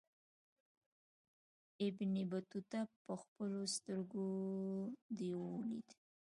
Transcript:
ابن بطوطه پخپلو سترګو دېو ولید.